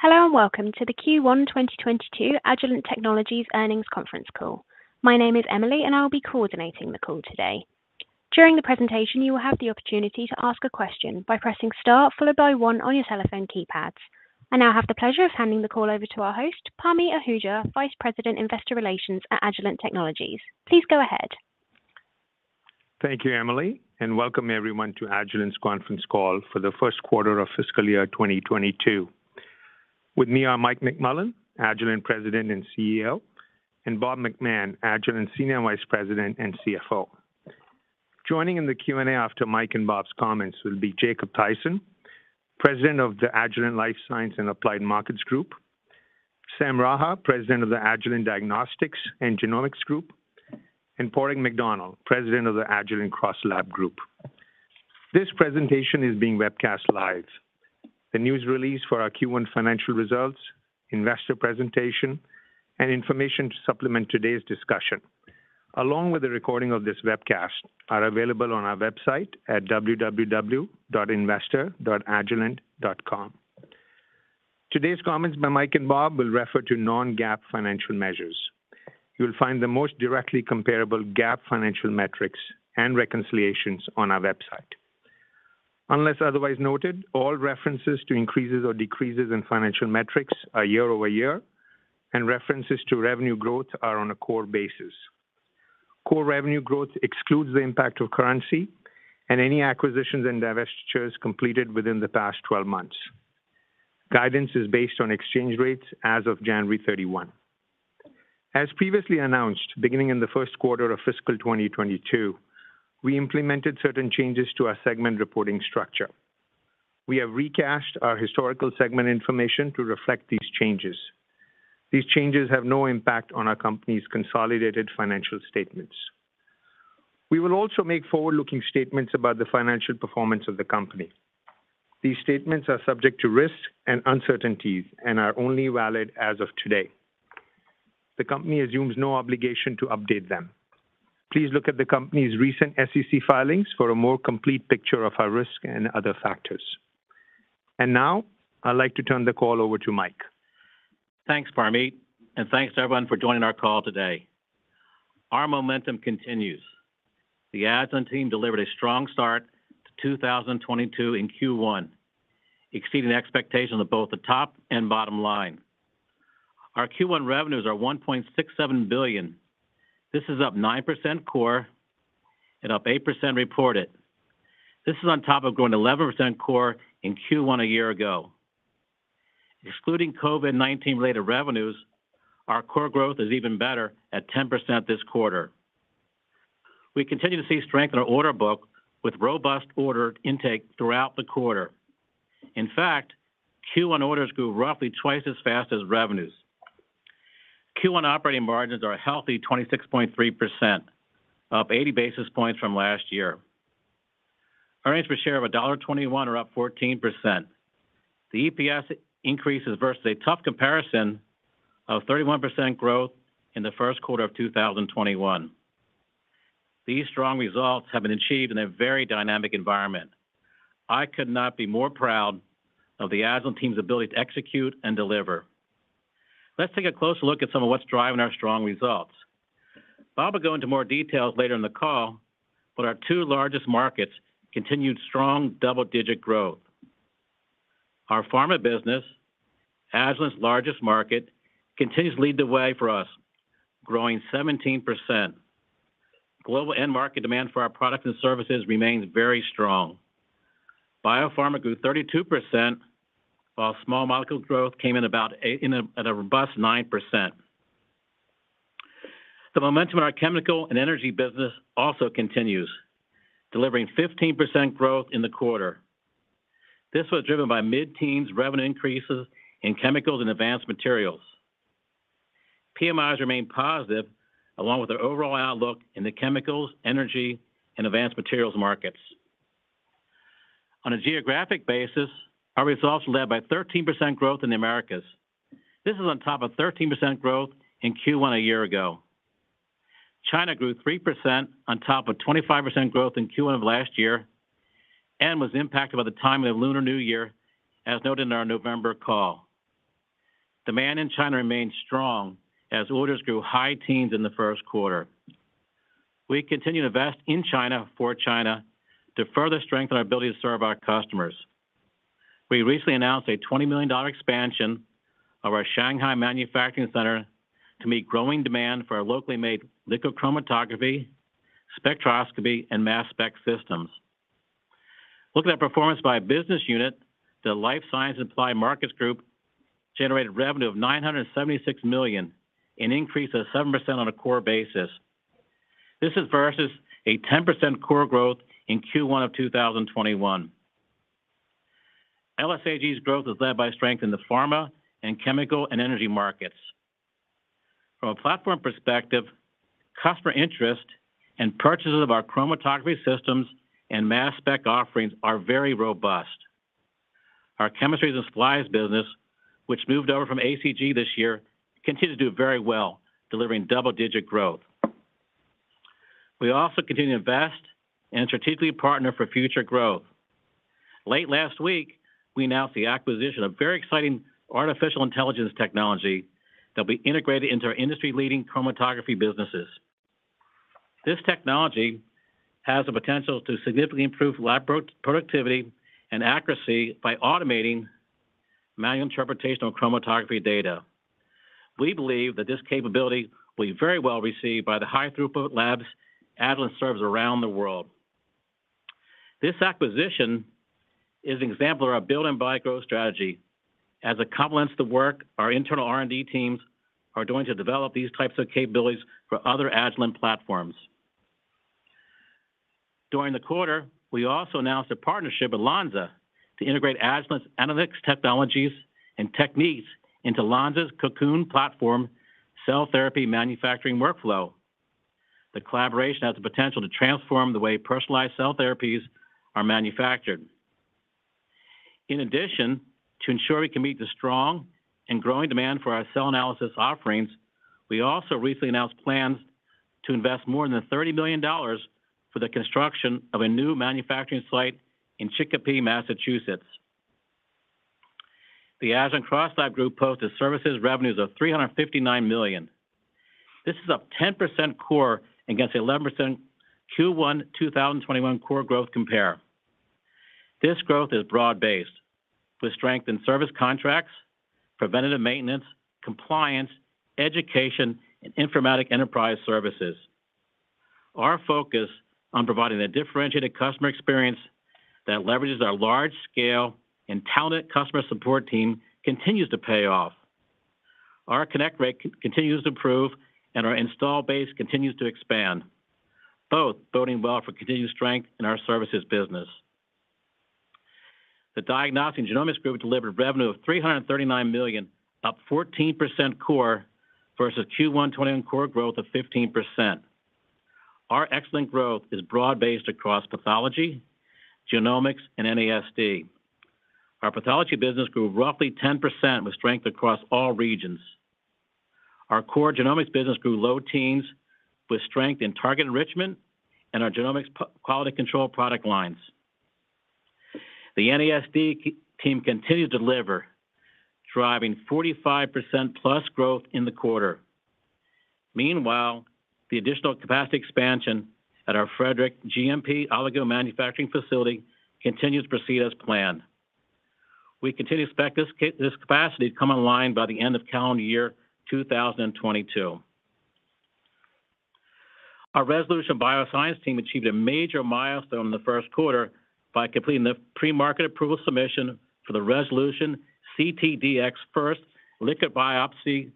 Hello and welcome to the Q1 2022 Agilent Technologies Earnings Conference Call. My name is Emily, and I'll be coordinating the call today. During the presentation, you will have the opportunity to ask a question by pressing star followed by one on your telephone keypads. I now have the pleasure of handing the call over to our host, Parmeet Ahuja, Vice President, Investor Relations at Agilent Technologies. Please go ahead. Thank you, Emily, and welcome everyone to Agilent's conference call for the first quarter of fiscal year 2022. With me are Mike McMullen, Agilent President and CEO, and Bob McMahon, Agilent Senior Vice President and CFO. Joining in the Q&A after Mike and Bob's comments will be Jacob Thaysen, President of the Agilent Life Sciences and Applied Markets Group, Sam Raha, President of the Agilent Diagnostics and Genomics Group, and Padraig McDonnell, President of the Agilent CrossLab Group. This presentation is being webcast live. The news release for our Q1 financial results, investor presentation, and information to supplement today's discussion, along with the recording of this webcast, are available on our website at www.investor.agilent.com. Today's comments by Mike and Bob will refer to non-GAAP financial measures. You'll find the most directly comparable GAAP financial metrics and reconciliations on our website. Unless otherwise noted, all references to increases or decreases in financial metrics are year-over-year, and references to revenue growth are on a core basis. Core revenue growth excludes the impact of currency and any acquisitions and divestitures completed within the past 12 months. Guidance is based on exchange rates as of January 31. As previously announced, beginning in the first quarter of fiscal 2022, we implemented certain changes to our segment reporting structure. We have recast our historical segment information to reflect these changes. These changes have no impact on our company's consolidated financial statements. We will also make forward-looking statements about the financial performance of the company. These statements are subject to risks and uncertainties and are only valid as of today. The company assumes no obligation to update them. Please look at the company's recent SEC filings for a more complete picture of our risk and other factors. Now, I'd like to turn the call over to Mike. Thanks, Parmeet, and thanks to everyone for joining our call today. Our momentum continues. The Agilent team delivered a strong start to 2022 in Q1, exceeding expectations of both the top and bottom line. Our Q1 revenues are $1.67 billion. This is up 9% core and up 8% reported. This is on top of growing 11% core in Q1 a year ago. Excluding COVID-19 related revenues, our core growth is even better at 10% this quarter. We continue to see strength in our order book with robust order intake throughout the quarter. In fact, Q1 orders grew roughly twice as fast as revenues. Q1 operating margins are a healthy 26.3%, up 80 basis points from last year. Earnings per share of $1.21 are up 14%. The EPS increases versus a tough comparison of 31% growth in the first quarter of 2021. These strong results have been achieved in a very dynamic environment. I could not be more proud of the Agilent team's ability to execute and deliver. Let's take a closer look at some of what's driving our strong results. Bob will go into more details later in the call, but our two largest markets continued strong double-digit growth. Our pharma business, Agilent's largest market, continues to lead the way for us, growing 17%. Global end market demand for our products and services remains very strong. Biopharma grew 32%, while small molecules growth came in at a robust 9%. The momentum in our chemical and energy business also continues, delivering 15% growth in the quarter. This was driven by mid-teens revenue increases in chemicals and advanced materials. PMIs remain positive along with their overall outlook in the chemicals, energy, and advanced materials markets. On a geographic basis, our results were led by 13% growth in the Americas. This is on top of 13% growth in Q1 a year ago. China grew 3% on top of 25% growth in Q1 of last year and was impacted by the time of the Lunar New Year, as noted in our November call. Demand in China remains strong as orders grew high teens in the first quarter. We continue to invest in China for China to further strengthen our ability to serve our customers. We recently announced a $20 million expansion of our Shanghai manufacturing center to meet growing demand for our locally made liquid chromatography, spectroscopy, and mass spec systems. Looking at performance by business unit, the Life Sciences and Applied Markets Group generated revenue of $976 million, an increase of 7% on a core basis. This is versus a 10% core growth in Q1 of 2021. LSAG's growth is led by strength in the pharma and chemical and energy markets. From a platform perspective, customer interest and purchases of our chromatography systems and mass spec offerings are very robust. Our chemistries and supplies business, which moved over from ACG this year, continued to do very well, delivering double-digit growth. We also continue to invest and strategically partner for future growth. Late last week, we announced the acquisition of very exciting artificial intelligence technology that will be integrated into our industry-leading chromatography businesses. This technology has the potential to significantly improve lab productivity and accuracy by automating manual interpretation of chromatography data. We believe that this capability will be very well received by the high throughput labs Agilent serves around the world. This acquisition is an example of our build and buy growth strategy as it complements the work our internal R&D teams are doing to develop these types of capabilities for other Agilent platforms. During the quarter, we also announced a partnership with Lonza to integrate Agilent's analytics technologies and techniques into Lonza's Cocoon platform cell therapy manufacturing workflow. The collaboration has the potential to transform the way personalized cell therapies are manufactured. In addition, to ensure we can meet the strong and growing demand for our cell analysis offerings, we also recently announced plans to invest more than $30 million for the construction of a new manufacturing site in Chicopee, Massachusetts. The Agilent CrossLab Group posted services revenues of $359 million. This is up 10% core against 11% Q1 2021 core growth compare. This growth is broad-based with strength in service contracts, preventative maintenance, compliance, education, and informatics enterprise services. Our focus on providing a differentiated customer experience that leverages our large scale and talented customer support team continues to pay off. Our connect rate continues to improve, and our install base continues to expand, both boding well for continued strength in our services business. The Diagnostics and Genomics Group delivered revenue of $339 million, up 14% core versus Q1 2021 core growth of 15%. Our excellent growth is broad-based across pathology, genomics, and NASD. Our pathology business grew roughly 10% with strength across all regions. Our core genomics business grew low teens with strength in target enrichment and our genomics quality control product lines. The NASD team continued to deliver, driving 45%+ growth in the quarter. Meanwhile, the additional capacity expansion at our Frederick GMP Oligo manufacturing facility continues to proceed as planned. We continue to expect this capacity to come online by the end of calendar year 2022. Our Resolution Bioscience team achieved a major milestone in the first quarter by completing the pre-market approval submission for the Resolution ctDx FIRST liquid biopsy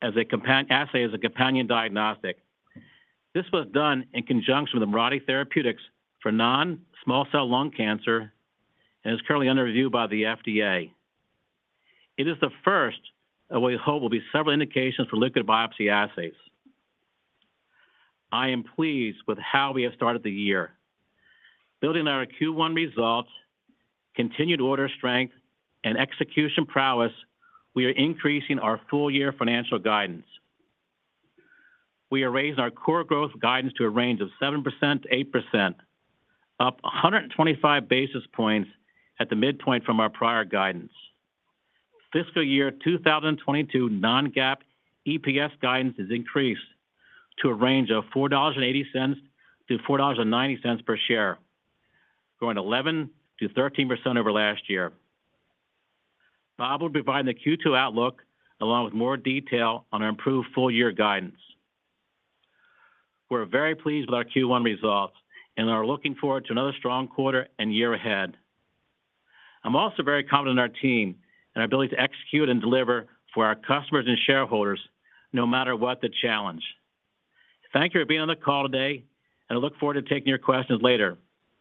assay as a companion diagnostic. This was done in conjunction with Mirati Therapeutics for non-small cell lung cancer and is currently under review by the FDA. It is the first of what we hope will be several indications for liquid biopsy assays. I am pleased with how we have started the year. Building on our Q1 results, continued order strength, and execution prowess, we are increasing our full year financial guidance. We are raising our core growth guidance to a range of 7%-8%, up 125 basis points at the midpoint from our prior guidance. Fiscal year 2022 non-GAAP EPS guidance is increased to a range of $4.80-$4.90 per share, growing 11%-13% over last year. Bob will provide the Q2 outlook along with more detail on our improved full year guidance. We're very pleased with our Q1 results and are looking forward to another strong quarter and year ahead. I'm also very confident in our team and our ability to execute and deliver for our customers and shareholders no matter what the challenge. Thank you for being on the call today, and I look forward to taking your questions later.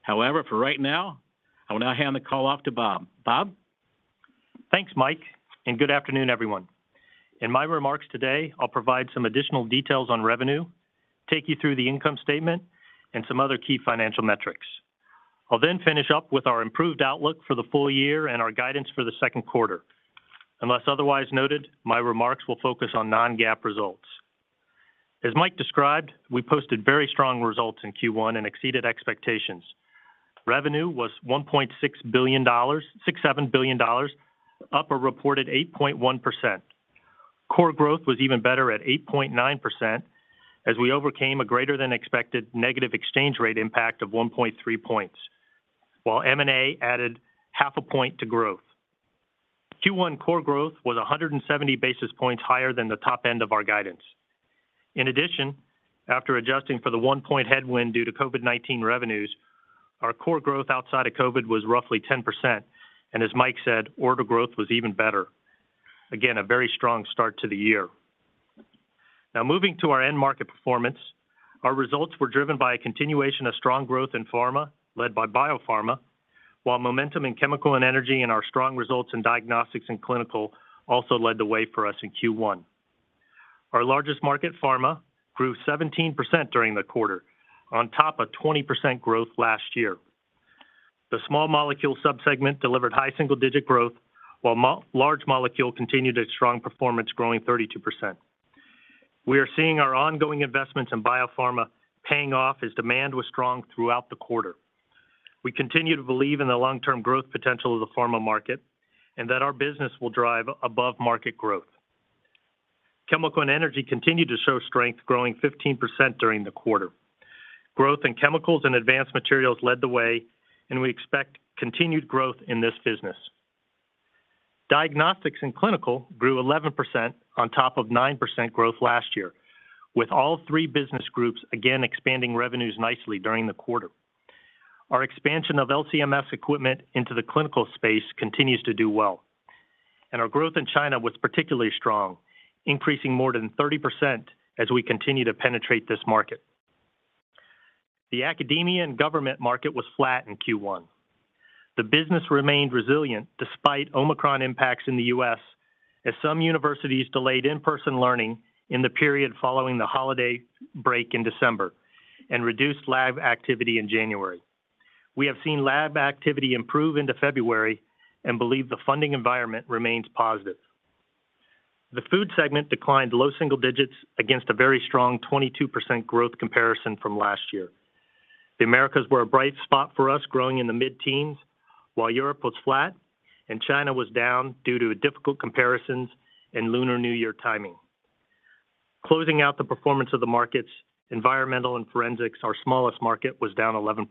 However, for right now, I will now hand the call off to Bob. Bob? Thanks, Mike, and good afternoon, everyone. In my remarks today, I'll provide some additional details on revenue, take you through the income statement and some other key financial metrics. I'll then finish up with our improved outlook for the full year and our guidance for the second quarter. Unless otherwise noted, my remarks will focus on non-GAAP results. As Mike described, we posted very strong results in Q1 and exceeded expectations. Revenue was $1.67 billion, up a reported 8.1%. Core growth was even better at 8.9%, as we overcame a greater than expected negative exchange rate impact of 1.3 points, while M&A added 0.5 point to growth. Q1 core growth was 170 basis points higher than the top end of our guidance. In addition, after adjusting for the 1-point headwind due to COVID-19 revenues, our core growth outside of COVID was roughly 10%, and as Mike said, order growth was even better. Again, a very strong start to the year. Now moving to our end market performance. Our results were driven by a continuation of strong growth in pharma, led by biopharma, while momentum in chemical and energy and our strong results in diagnostics and clinical also led the way for us in Q1. Our largest market, pharma, grew 17% during the quarter, on top of 20% growth last year. The small molecule subsegment delivered high single-digit growth while large molecule continued its strong performance, growing 32%. We are seeing our ongoing investments in biopharma paying off as demand was strong throughout the quarter. We continue to believe in the long-term growth potential of the pharma market and that our business will drive above-market growth. Chemical and energy continued to show strength, growing 15% during the quarter. Growth in chemicals and advanced materials led the way, and we expect continued growth in this business. Diagnostics and clinical grew 11% on top of 9% growth last year, with all three business groups again expanding revenues nicely during the quarter. Our expansion of LC-MS equipment into the clinical space continues to do well, and our growth in China was particularly strong, increasing more than 30% as we continue to penetrate this market. The academia and government market was flat in Q1. The business remained resilient despite Omicron impacts in the U.S. as some universities delayed in-person learning in the period following the holiday break in December and reduced lab activity in January. We have seen lab activity improve into February and believe the funding environment remains positive. The food segment declined low single digits against a very strong 22% growth comparison from last year. The Americas were a bright spot for us, growing in the mid-teens, while Europe was flat and China was down due to difficult comparisons and Lunar New Year timing. Closing out the performance of the markets, environmental and forensics, our smallest market, was down 11%.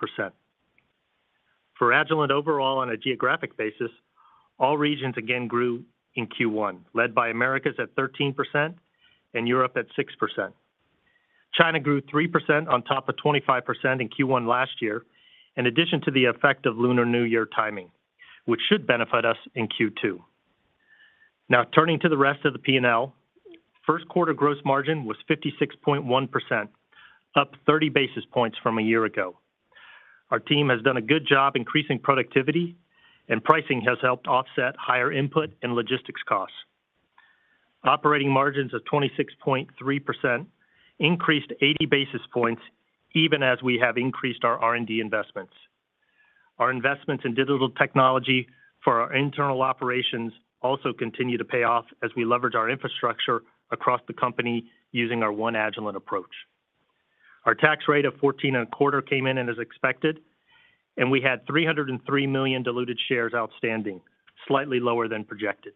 For Agilent overall on a geographic basis, all regions again grew in Q1, led by Americas at 13% and Europe at 6%. China grew 3% on top of 25% in Q1 last year, in addition to the effect of Lunar New Year timing, which should benefit us in Q2. Now turning to the rest of the P&L. First quarter gross margin was 56.1%, up 30 basis points from a year ago. Our team has done a good job increasing productivity and pricing has helped offset higher input and logistics costs. Operating margins of 26.3% increased 80 basis points even as we have increased our R&D investments. Our investments in digital technology for our internal operations also continue to pay off as we leverage our infrastructure across the company using our One Agilent approach. Our tax rate of 14.25 came in as expected, and we had 303 million diluted shares outstanding, slightly lower than projected.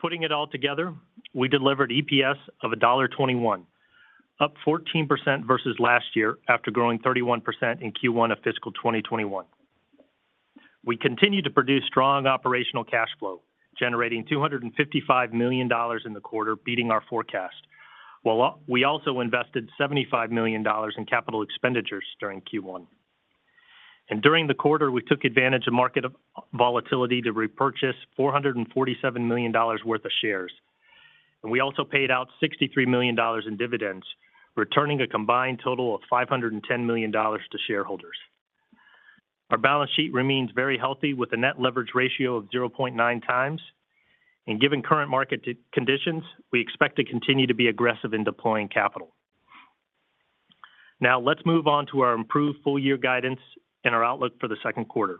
Putting it all together, we delivered EPS of $1.21, up 14% versus last year after growing 31% in Q1 of fiscal 2021. We continue to produce strong operational cash flow, generating $255 million in the quarter, beating our forecast, while we also invested $75 million in capital expenditures during Q1. During the quarter, we took advantage of market volatility to repurchase $447 million worth of shares. We also paid out $63 million in dividends, returning a combined total of $510 million to shareholders. Our balance sheet remains very healthy with a net leverage ratio of 0.9x. Given current market conditions, we expect to continue to be aggressive in deploying capital. Now let's move on to our improved full year guidance and our outlook for the second quarter.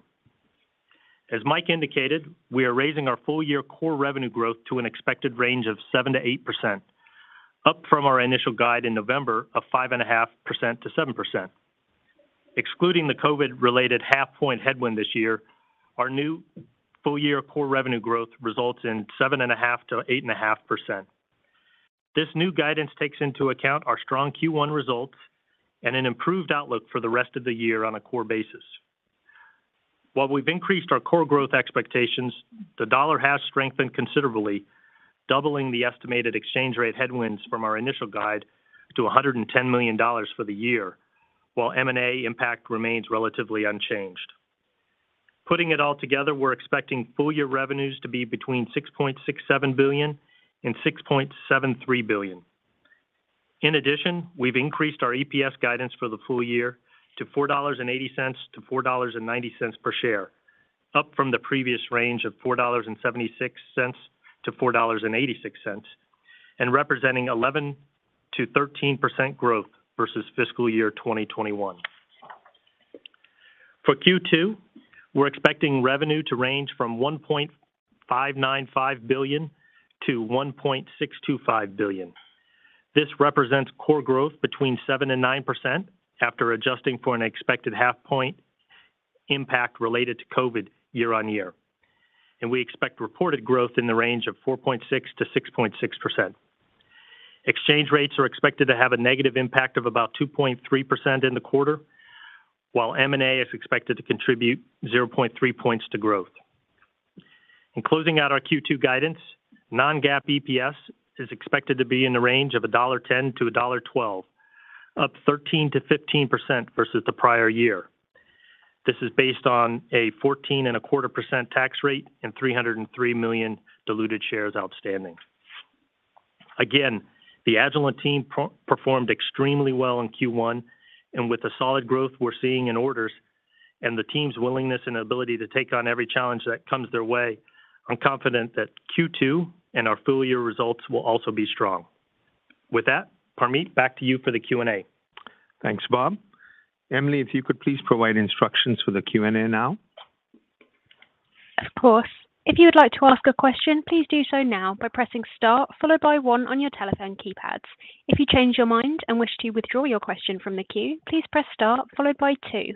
As Mike indicated, we are raising our full year core revenue growth to an expected range of 7%-8%, up from our initial guide in November of 5.5%-7%. Excluding the COVID related half point headwind this year, our new full year core revenue growth results in 7.5%-8.5%. This new guidance takes into account our strong Q1 results and an improved outlook for the rest of the year on a core basis. While we've increased our core growth expectations, the dollar has strengthened considerably, doubling the estimated exchange rate headwinds from our initial guide to $110 million for the year, while M&A impact remains relatively unchanged. Putting it all together, we're expecting full year revenues to be between $6.67 billion and $6.73 billion. In addition, we've increased our EPS guidance for the full year to $4.80-$4.90 per share, up from the previous range of $4.76-$4.86, and representing 11%-13% growth versus fiscal year 2021. For Q2, we're expecting revenue to range from $1.595 billion-$1.625 billion. This represents core growth between 7% and 9% after adjusting for an expected half point impact related to COVID year-on-year. We expect reported growth in the range of 4.6%-6.6%. Exchange rates are expected to have a negative impact of about 2.3% in the quarter, while M&A is expected to contribute 0.3 points to growth. In closing out our Q2 guidance, non-GAAP EPS is expected to be in the range of $1.10-$1.12, up 13%-15% versus the prior year. This is based on a 14.25% tax rate and 303 million diluted shares outstanding. Again, the Agilent team performed extremely well in Q1, and with the solid growth we're seeing in orders and the team's willingness and ability to take on every challenge that comes their way, I'm confident that Q2 and our full year results will also be strong. With that, Parmeet, back to you for the Q&A. Thanks, Bob. Emily, if you could please provide instructions for the Q&A now. Of course. If you would like to ask a question, please do so now by pressing star followed by one on your telephone keypads. If you change your mind and wish to withdraw your question from the queue, please press star followed by two.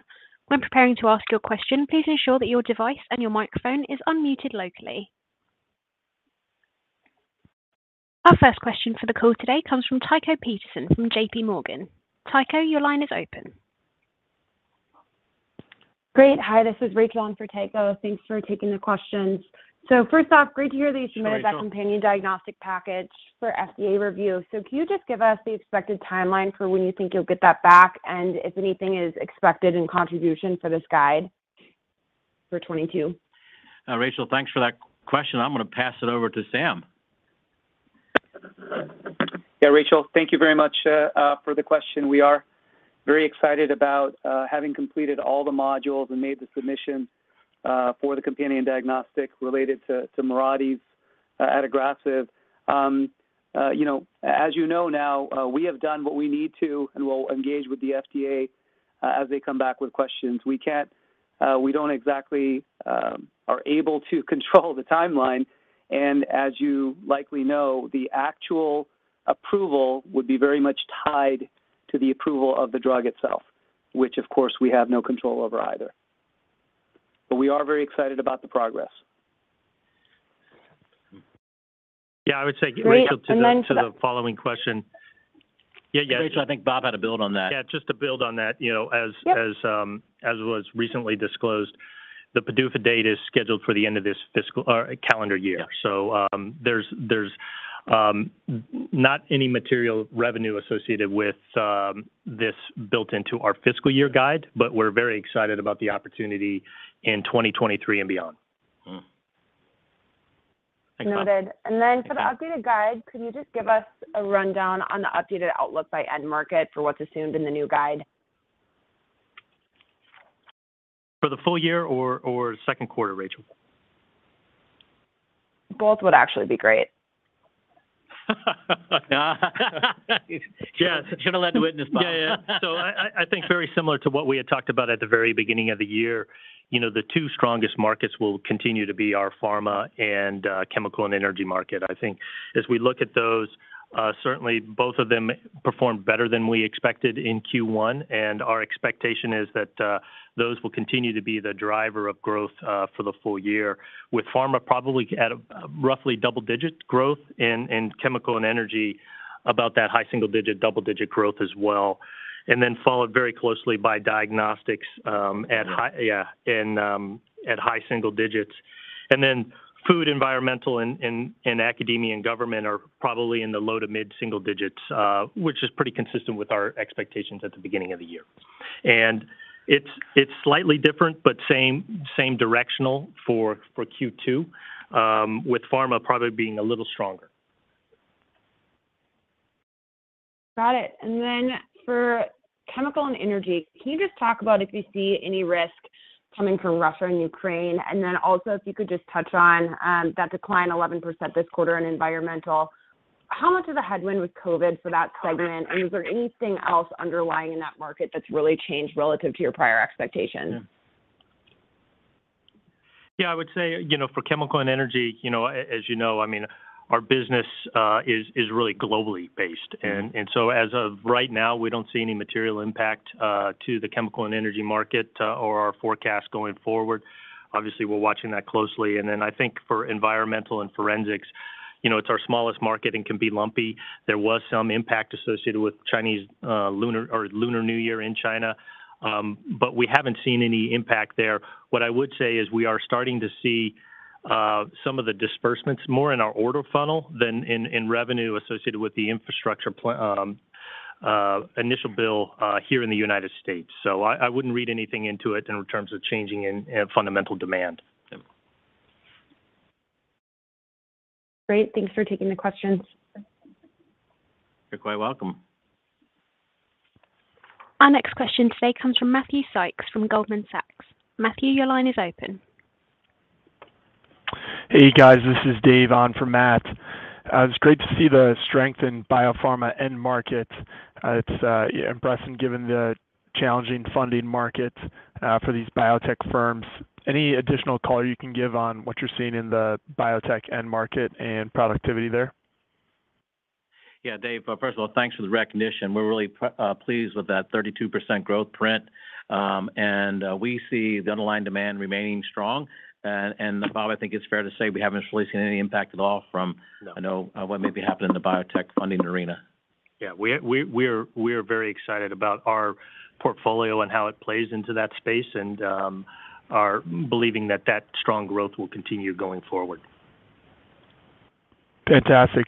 When preparing to ask your question, please ensure that your device and your microphone is unmuted locally. Our first question for the call today comes from Tycho Peterson from JPMorgan. Tycho, your line is open. Great. Hi, this is Rachel on for Tycho. Thanks for taking the questions. First off, great to hear that- Hi, Rachel When you submitted that companion diagnostic package for FDA review. Can you just give us the expected timeline for when you think you'll get that back? If anything is expected in contribution for this guidance for 2022? Rachel, thanks for that question. I'm gonna pass it over to Sam. Yeah. Rachel, thank you very much for the question. We are very excited about having completed all the modules and made the submission for the companion diagnostic related to Mirati's adagrasib. You know, as you know now, we have done what we need to, and we'll engage with the FDA as they come back with questions. We're not exactly able to control the timeline. As you likely know, the actual approval would be very much tied to the approval of the drug itself, which of course we have no control over either. We are very excited about the progress. Yeah, I would say Rachel. Great. To the following question. Yeah, yeah. Rachel, I think Bob had a build on that. Yeah, just to build on that, you know. Yep... as was recently disclosed, the PDUFA date is scheduled for the end of this fiscal or calendar year. Yeah. There's not any material revenue associated with this built into our fiscal year guide, but we're very excited about the opportunity in 2023 and beyond. Thanks, Rachael. Noted. For the updated guide, could you just give us a rundown on the updated outlook by end market for what's assumed in the new guide? For the full year or second quarter, Rachel? Both would actually be great. Yeah. Should've let the witness, Bob. I think very similar to what we had talked about at the very beginning of the year. You know, the two strongest markets will continue to be our pharma and chemical and energy market. I think as we look at those, certainly both of them performed better than we expected in Q1. Our expectation is that those will continue to be the driver of growth for the full year. With pharma probably at a roughly double digit growth in chemical and energy about that high single digit, double digit growth as well. Then followed very closely by diagnostics at high single digits. Food, environmental and academia and government are probably in the low to mid-single digits, which is pretty consistent with our expectations at the beginning of the year. It's slightly different, but same directional for Q2, with pharma probably being a little stronger. Got it. For chemical and energy, can you just talk about if you see any risk coming from Russia and Ukraine? If you could just touch on that decline 11% this quarter in environmental, how much of a headwind was COVID for that segment? Is there anything else underlying in that market that's really changed relative to your prior expectations? Yeah, I would say, you know, for chemical and energy, you know, as you know, I mean, our business is really globally based. As of right now, we don't see any material impact to the chemical and energy market or our forecast going forward. Obviously, we're watching that closely. I think for environmental and forensics, you know, it's our smallest market and can be lumpy. There was some impact associated with Chinese Lunar New Year in China. But we haven't seen any impact there. What I would say is we are starting to see some of the disbursements more in our order funnel than in revenue associated with the infrastructure bill here in the United States. I wouldn't read anything into it in terms of changing and fundamental demand. Yep. Great. Thanks for taking the questions. You're quite welcome. Our next question today comes from Matthew Sykes from Goldman Sachs. Matthew, your line is open. Hey, guys. This is Dave on for Matt. It's great to see the strength in biopharma end market. It's yeah, impressive given the challenging funding market for these biotech firms. Any additional color you can give on what you're seeing in the biotech end market and productivity there? Yeah, Dave, first of all, thanks for the recognition. We're really pleased with that 32% growth print. We see the underlying demand remaining strong. Bob, I think it's fair to say we haven't really seen any impact at all from- No I know what may be happening in the biotech funding arena. Yeah. We're very excited about our portfolio and how it plays into that space and are believing that strong growth will continue going forward. Fantastic.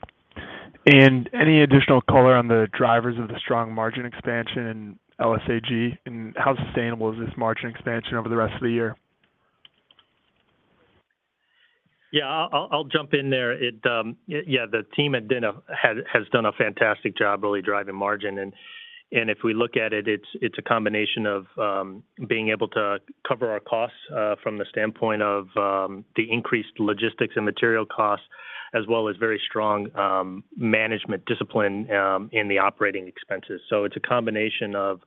Any additional color on the drivers of the strong margin expansion in LSAG, and how sustainable is this margin expansion over the rest of the year? Yeah, I'll jump in there. The team has done a fantastic job really driving margin. If we look at it's a combination of being able to cover our costs from the standpoint of the increased logistics and material costs as well as very strong management discipline in the operating expenses. It's a combination of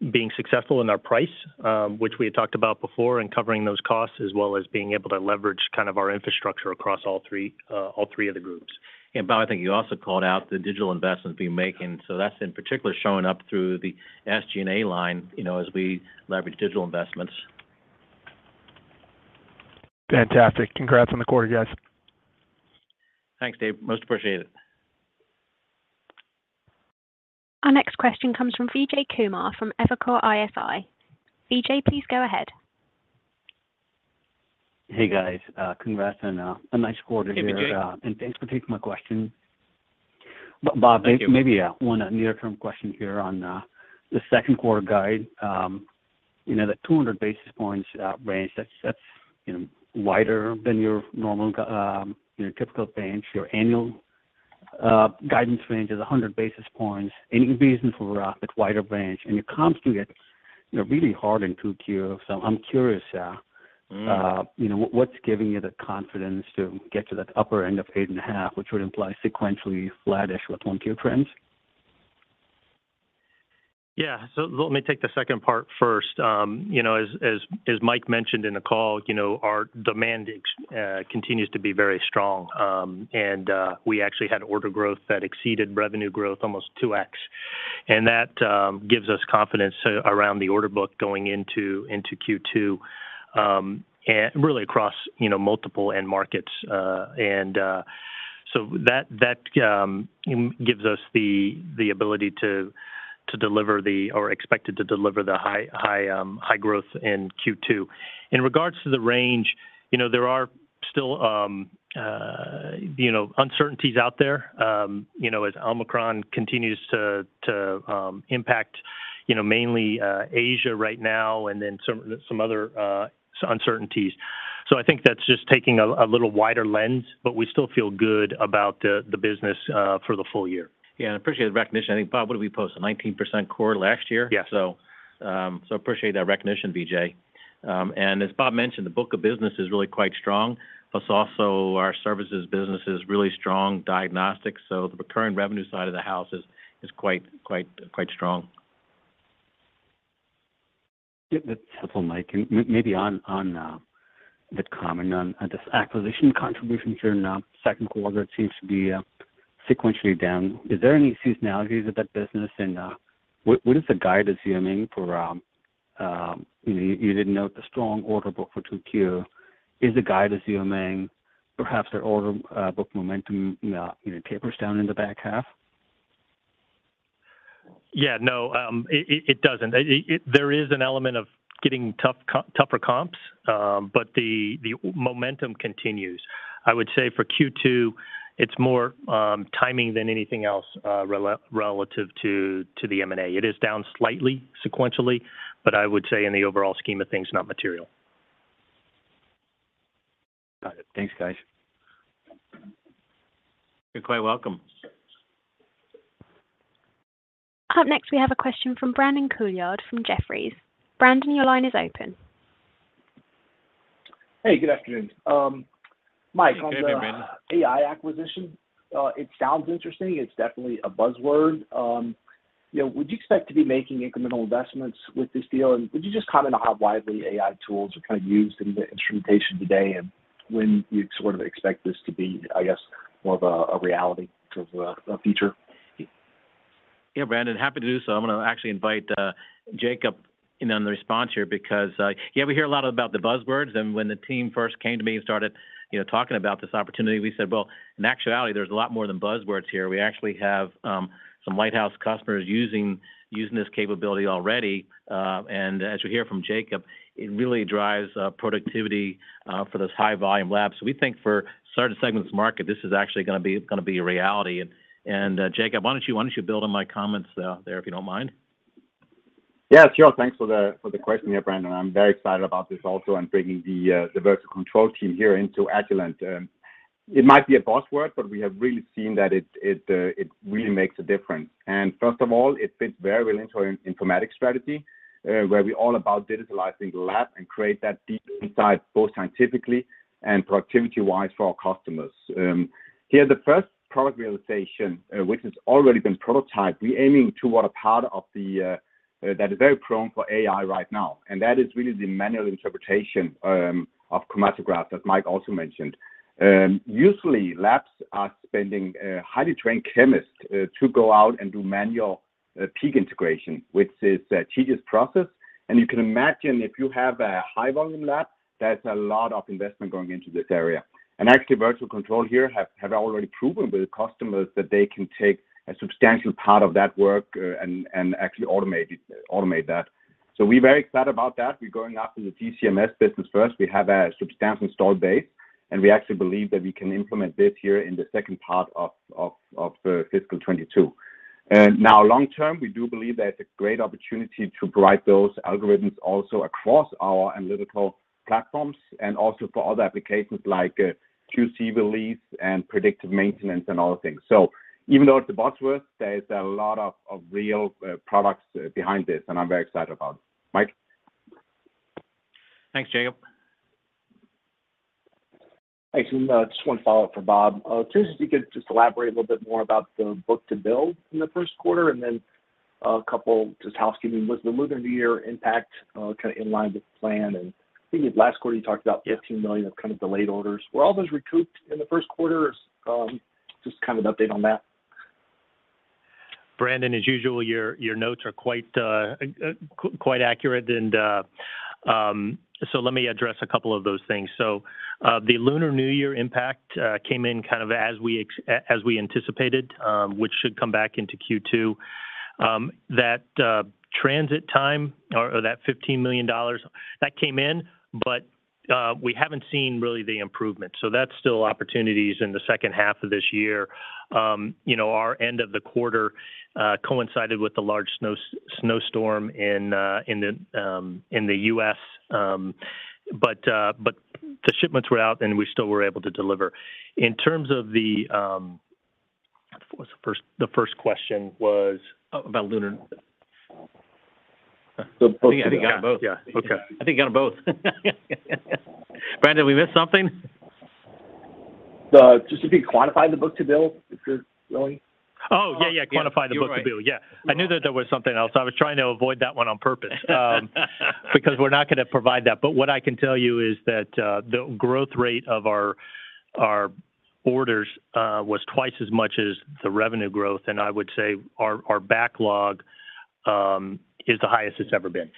being successful in our price, which we had talked about before in covering those costs, as well as being able to leverage kind of our infrastructure across all three of the groups. Bob, I think you also called out the digital investments we're making, so that's in particular showing up through the SG&A line, you know, as we leverage digital investments. Fantastic. Congrats on the quarter, guys. Thanks, Dave. Most appreciated. Our next question comes from Vijay Kumar from Evercore ISI. Vijay, please go ahead. Hey, guys. Congrats on a nice quarter here. Hey, Vijay. Thanks for taking my question. Bob- Thank you. Maybe, one near-term question here on the second quarter guide. You know, the 200 basis points range, that's you know, wider than your normal, your typical range. Your annual guidance range is 100 basis points. Any reason for that wider range? Your comps will get, you know, really hard in Q2, so I'm curious, you know, what's giving you the confidence to get to that upper end of 8.5, which would imply sequentially flattish with 1Q trends? Yeah. Let me take the second part first. You know, as Mike mentioned in the call, you know, our demand ex-China continues to be very strong. We actually had order growth that exceeded revenue growth almost 2x. And that gives us confidence around the order book going into Q2 and really across you know, multiple end markets. So that gives us the ability to deliver expected to deliver the high growth in Q2. In regards to the range, you know, there are still you know, uncertainties out there, you know, as Omicron continues to impact you know, mainly Asia right now and then some other uncertainties. I think that's just taking a little wider lens, but we still feel good about the business for the full year. Yeah. I appreciate the recognition. I think, Bob, what did we post? A 19% quarter last year. Yeah. Appreciate that recognition, Vijay. As Bob mentioned, the book of business is really quite strong, plus also our services business is really strong, diagnostics, so the recurring revenue side of the house is quite strong. Yeah. That's helpful, Mike. Maybe on the comment on this acquisition contribution here now, second quarter, it seems to be sequentially down. Is there any seasonality to that business? What is the guide assuming for? You did note the strong order book for 2Q. Is the guide assuming perhaps that order book momentum you know tapers down in the back half? Yeah. No, it doesn't. There is an element of getting tougher comps, but the momentum continues. I would say for Q2, it's more timing than anything else, relative to the M&A. It is down slightly sequentially, but I would say in the overall scheme of things, not material. Got it. Thanks, guys. You're quite welcome. Up next, we have a question from Brandon Couillard from Jefferies. Brandon, your line is open. Hey, good afternoon. Mike- Hey, Brandon. On the AI acquisition, it sounds interesting. It's definitely a buzzword. You know, would you expect to be making incremental investments with this deal? Could you just comment on how widely AI tools are kind of used in the instrumentation today and when you'd sort of expect this to be, I guess, more of a reality sort of a feature? Yeah, Brandon, happy to do so. I'm gonna actually invite Jacob in on the response here because, yeah, we hear a lot about the buzzwords, and when the team first came to me and started, you know, talking about this opportunity, we said, "Well, in actuality, there's a lot more than buzzwords here." We actually have some lighthouse customers using this capability already. And as you'll hear from Jacob, it really drives productivity for those high volume labs. So we think for certain segments of market, this is actually gonna be a reality. And Jacob, why don't you build on my comments there, if you don't mind? Yeah, sure. Thanks for the question here, Brandon. I'm very excited about this also and bringing the Virtual Control team here into Agilent. It might be a buzzword, but we have really seen that it really makes a difference. First of all, it fits very well into our informatics strategy, where we're all about digitalizing the lab and create that deep insight both scientifically and productivity-wise for our customers. Here the first product realization, which has already been prototyped, we're aiming toward a part of the that is very prone for AI right now, and that is really the manual interpretation of chromatogram, as Mike also mentioned. Usually labs are spending highly trained chemists to go out and do manual peak integration, which is a tedious process. You can imagine if you have a high volume lab, that's a lot of investment going into this area. Actually, Virtual Control here have already proven with customers that they can take a substantial part of that work, and actually automate that. We're very excited about that. We're going after the GC-MS business first. We have a substantial installed base, and we actually believe that we can implement this year in the second part of fiscal 2022. Now, long term, we do believe that it's a great opportunity to provide those algorithms also across our analytical platforms and also for other applications like QC release and predictive maintenance and all the things. Even though it's a buzzword, there is a lot of real products behind this, and I'm very excited about it. Mike? Thanks, Jacob. Thanks. Just one follow-up for Bob. Just if you could just elaborate a little bit more about the book-to-bill in the first quarter, and then a couple just housekeeping. Was the Lunar New Year impact kind of in line with plan? I think last quarter you talked about $15 million of kind of delayed orders. Were all those recouped in the first quarter? Just kind of an update on that. Brandon, as usual, your notes are quite accurate. Let me address a couple of those things. The Lunar New Year impact came in kind of as we anticipated, which should come back into Q2. That transit time or that $15 million, that came in, but we haven't seen really the improvement. That's still opportunities in the second half of this year. You know, our end of the quarter coincided with the large snowstorm in the U.S. But the shipments were out, and we still were able to deliver. In terms of the. What was the first question? Oh, about Lunar New Year. The book-to-bill. I think I got 'em both. Yeah. Okay. Brandon, we miss something? Just if you quantify the book-to-bill, if you're willing. Yeah, quantify the book to bill. You're right. Yeah. I knew that there was something else. I was trying to avoid that one on purpose. Because we're not gonna provide that. What I can tell you is that the growth rate of our orders was twice as much as the revenue growth, and I would say our backlog is the highest it's ever been.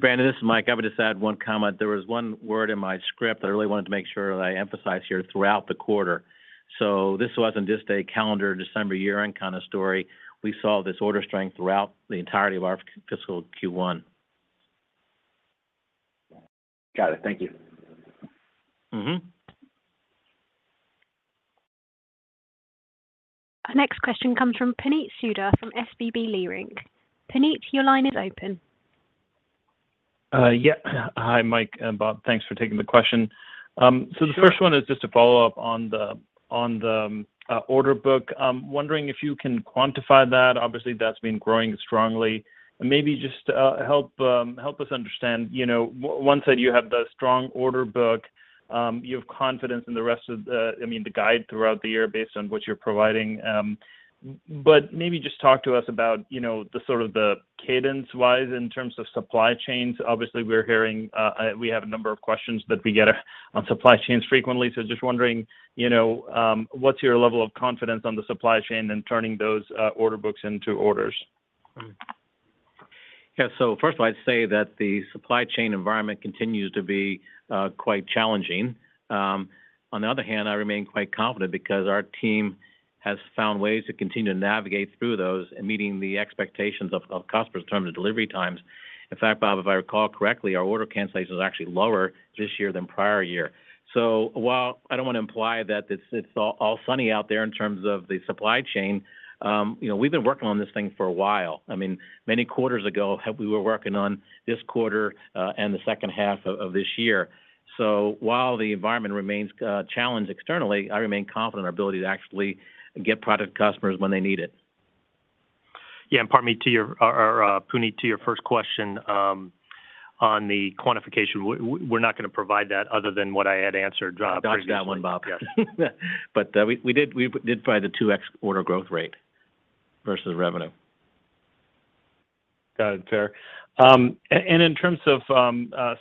Brandon, this is Mike. I would just add one comment. There was one word in my script that I really wanted to make sure that I emphasize here, throughout the quarter. This wasn't just a calendar December year-end kind of story. We saw this order strength throughout the entirety of our fiscal Q1. Got it. Thank you. Mm-hmm. Our next question comes from Puneet Souda from SVB Leerink. Puneet, your line is open. Yeah. Hi, Mike and Bob. Thanks for taking the question. The first one is just a follow-up on the order book. I'm wondering if you can quantify that. Obviously, that's been growing strongly. Maybe just help us understand, you know, one side, you have the strong order book. You have confidence in the rest of the guide throughout the year based on what you're providing. Maybe just talk to us about, you know, the sort of cadence-wise in terms of supply chains. Obviously, we're hearing we have a number of questions that we get on supply chains frequently. Just wondering, you know, what's your level of confidence on the supply chain and turning those order books into orders? Yeah. First of all, I'd say that the supply chain environment continues to be quite challenging. On the other hand, I remain quite confident because our team has found ways to continue to navigate through those and meeting the expectations of customers in terms of delivery times. In fact, Bob, if I recall correctly, our order cancellation is actually lower this year than prior year. While I don't want to imply that it's all sunny out there in terms of the supply chain, you know, we've been working on this thing for a while. I mean, many quarters ago, we were working on this quarter and the second half of this year. While the environment remains challenged externally, I remain confident in our ability to actually get product to customers when they need it. Yeah. Pardon me, Puneet, to your first question on the quantification. We're not gonna provide that other than what I had answered previously. Dodged that one, Bob. Yes. We did provide the 2x order growth rate versus revenue. Got it. Fair. In terms of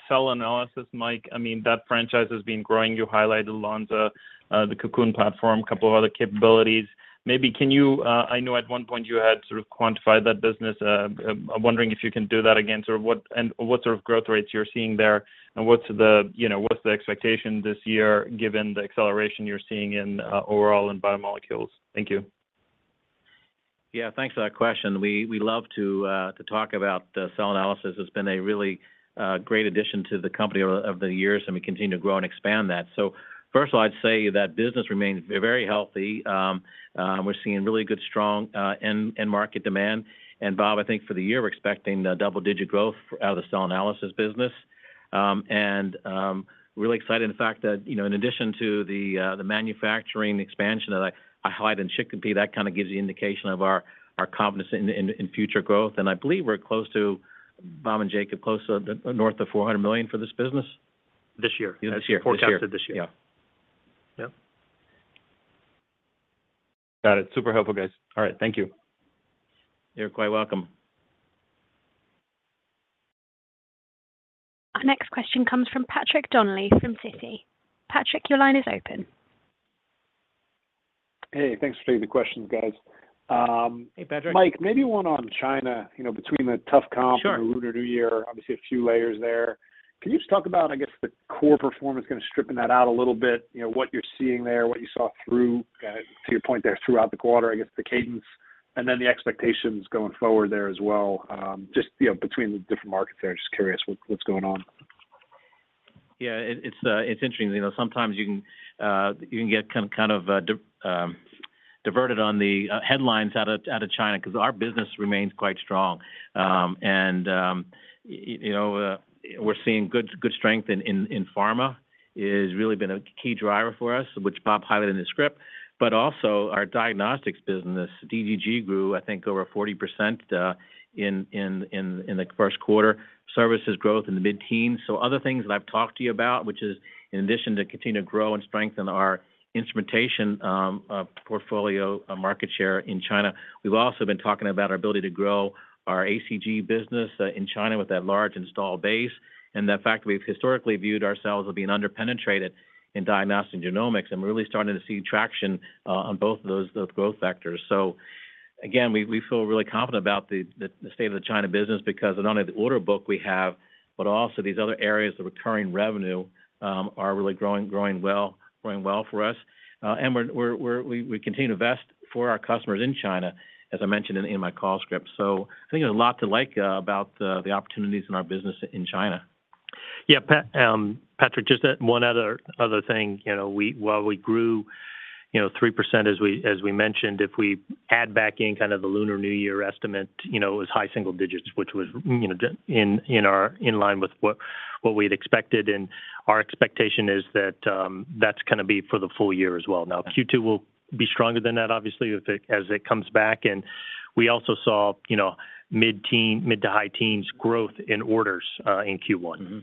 cell analysis, Mike, I mean, that franchise has been growing. You highlighted Lonza, the Cocoon platform, a couple of other capabilities. Maybe can you, I know at one point you had sort of quantified that business. I'm wondering if you can do that again, sort of what and what sort of growth rates you're seeing there and what's the, you know, what's the expectation this year given the acceleration you're seeing in overall and biomolecules. Thank you. Yeah. Thanks for that question. We love to talk about cell analysis. It's been a really great addition to the company over the years, and we continue to grow and expand that. First of all, I'd say that business remains very healthy. We're seeing really good, strong end market demand. Bob, I think for the year, we're expecting double-digit growth out of the cell analysis business. Really excited about the fact that, you know, in addition to the manufacturing expansion that I highlighted in Chicopee, that kind of gives you indication of our confidence in future growth. I believe we're close to, Bob and Jacob, north of $400 million for this business this year. Got it. Super helpful, guys. All right. Thank you. You're quite welcome. Our next question comes from Patrick Donnelly from Citi. Patrick, your line is open. Hey, thanks for taking the questions, guys. Hey, Patrick. Mike, maybe one on China, you know, between the tough comp. Sure. The Lunar New Year, obviously a few layers there. Can you just talk about, I guess, the core performance kind of stripping that out a little bit, you know, what you're seeing there, what you saw through, to your point there throughout the quarter, I guess, the cadence, and then the expectations going forward there as well, just, you know, between the different markets there. Just curious what's going on. Yeah. It's interesting. You know, sometimes you can get kind of diverted on the headlines out of China, 'cause our business remains quite strong. You know, we're seeing good strength in pharma. It has really been a key driver for us, which Bob highlighted in his script. Our diagnostics business, DDG, grew, I think, over 40% in the first quarter. Services growth in the mid-teens. Other things that I've talked to you about, which is in addition to continue to grow and strengthen our instrumentation portfolio market share in China, we've also been talking about our ability to grow our ACG business in China with that large installed base, and the fact that we've historically viewed ourselves as being under-penetrated in diagnostic genomics, and we're really starting to see traction on both of those growth vectors. Again, we feel really confident about the state of the China business because of not only the order book we have, but also these other areas of recurring revenue are really growing well for us. And we continue to invest for our customers in China, as I mentioned in my call script. I think there's a lot to like about the opportunities in our business in China. Yeah. Patrick, just one other thing. You know, while we grew 3% as we mentioned, if we add back in kind of the Lunar New Year estimate, you know, it was high single digits, which was, you know, in line with what we had expected. Our expectation is that that's gonna be for the full year as well. Now, Q2 will be stronger than that, obviously, as it comes back. We also saw, you know, mid-teens to high-teens growth in orders in Q1. Mm-hmm.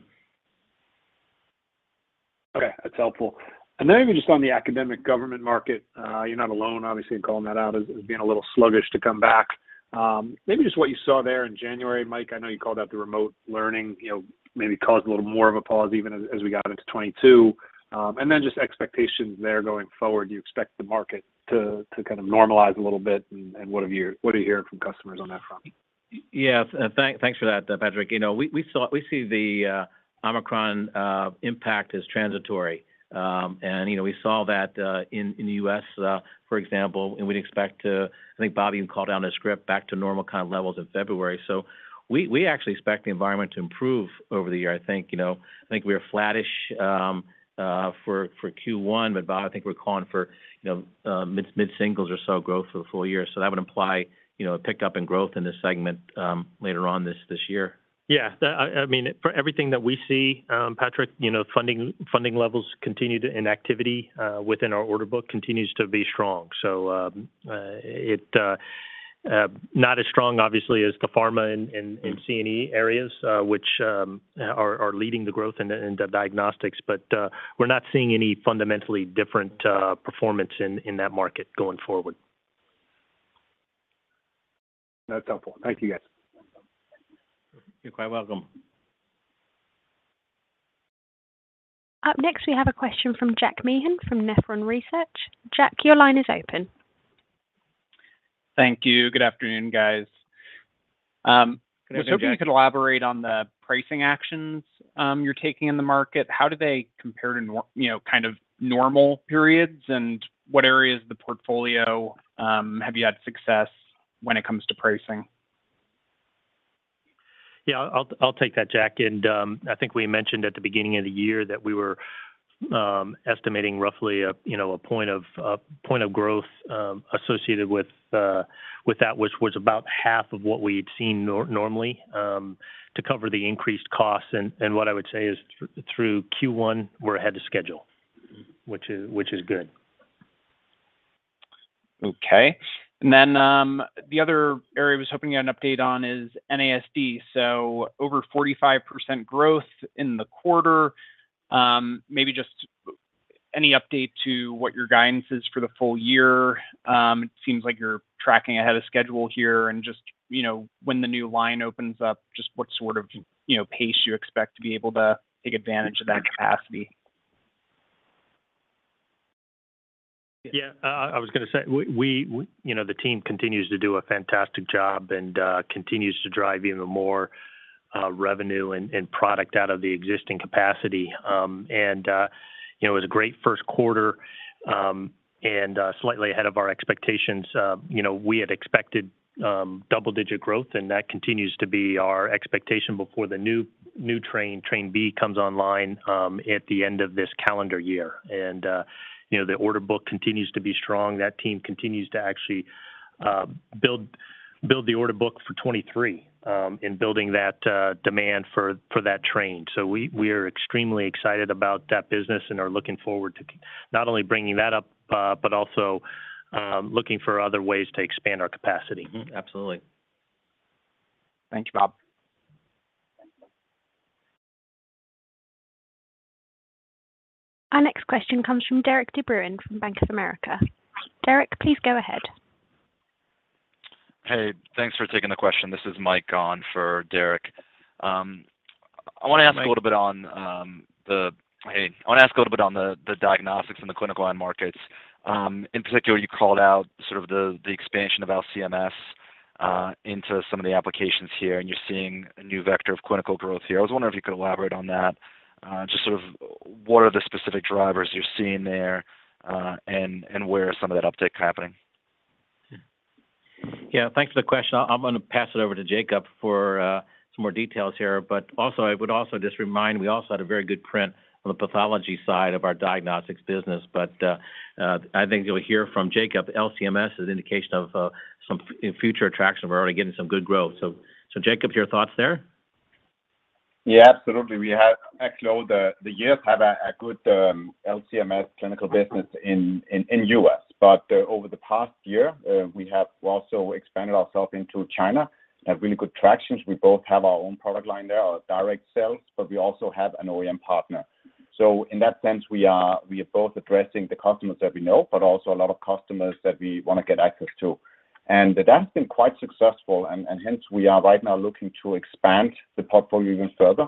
Okay. That's helpful. Maybe just on the academic government market, you're not alone, obviously, in calling that out as being a little sluggish to come back. Maybe just what you saw there in January, Mike. I know you called out the remote learning, you know, maybe caused a little more of a pause even as we got into 2022. Just expectations there going forward. Do you expect the market to kind of normalize a little bit, and what are you hearing from customers on that front? Yeah. Thanks for that, Patrick. You know, we see the Omicron impact as transitory. You know, we saw that in the U.S. for example, and we'd expect. I think Bob even called out in his script back to normal kind of levels in February. We actually expect the environment to improve over the year. I think we are flattish for Q1, but Bob, I think we're calling for mid-singles or so growth for the full year. That would imply, you know, a pickup in growth in this segment later on this year. I mean, for everything that we see, Patrick, you know, funding levels and activity within our order book continue to be strong. Not as strong obviously as the pharma and C&E areas, which are leading the growth in the diagnostics, but we're not seeing any fundamentally different performance in that market going forward. That's helpful. Thank you, guys. You're quite welcome. Up next, we have a question from Jack Meehan from Nephron Research. Jack, your line is open. Thank you. Good afternoon, guys. Good afternoon, Jack. I was hoping you could elaborate on the pricing actions you're taking in the market. How do they compare to you know, kind of normal periods, and what areas of the portfolio have you had success when it comes to pricing? Yeah. I'll take that, Jack. I think we mentioned at the beginning of the year that we were estimating roughly a point of growth associated with that, which was about half of what we'd seen normally to cover the increased costs. What I would say is through Q1, we're ahead of schedule, which is good. Okay. The other area I was hoping to get an update on is NASD. Over 45% growth in the quarter. Maybe just any update to what your guidance is for the full year. It seems like you're tracking ahead of schedule here and just, you know, when the new line opens up, just what sort of, you know, pace you expect to be able to take advantage of that capacity. Yeah. I was gonna say, you know, the team continues to do a fantastic job and continues to drive even more revenue and product out of the existing capacity. You know, it was a great first quarter and slightly ahead of our expectations. You know, we had expected double-digit growth, and that continues to be our expectation before the new train B comes online at the end of this calendar year. You know, the order book continues to be strong. That team continues to actually build the order book for 2023 in building that demand for that train. We are extremely excited about that business and are looking forward to not only bringing that up, but also looking for other ways to expand our capacity. Mm-hmm. Absolutely. Thank you, Bob. Our next question comes from Derik De Bruin from Bank of America. Derik, please go ahead. Hey, thanks for taking the question. This is Mike on for Derik. I wanna ask- Hey, Mike. I wanna ask a little bit on the diagnostics and the clinical end markets. In particular, you called out sort of the expansion of LC-MS into some of the applications here, and you're seeing a new vector of clinical growth here. I was wondering if you could elaborate on that. Just sort of what are the specific drivers you're seeing there, and where is some of that uptick happening? Yeah, thanks for the question. I'm gonna pass it over to Jacob for some more details here. I would also just remind, we also had a very good print on the pathology side of our diagnostics business. I think you'll hear from Jacob, LC-MS is an indication of some future traction. We're already getting some good growth. Jacob, your thoughts there? Yeah, absolutely. We actually have, over the years, a good LC-MS clinical business in the U.S. Over the past year, we have also expanded ourselves into China and have really good traction. We both have our own product line there, our direct sales, but we also have an OEM partner. In that sense, we are both addressing the customers that we know, but also a lot of customers that we wanna get access to. That has been quite successful and hence we are right now looking to expand the portfolio even further.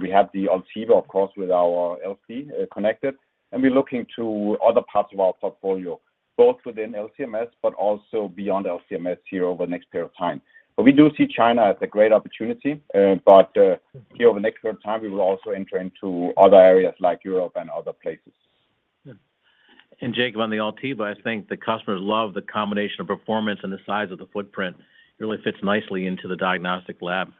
We have the Ultivo, of course, with our LC connected, and we're looking to other parts of our portfolio, both within LC-MS, but also beyond LC-MS here over the next period of time. We do see China as a great opportunity, but here over the next period of time, we will also enter into other areas like Europe and other places. Yeah. Jacob, on the Ultivo, I think the customers love the combination of performance and the size of the footprint. It really fits nicely into the diagnostic lab.